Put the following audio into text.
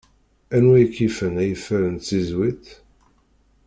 Anwa i k-yifen ay ifer n tzizwit?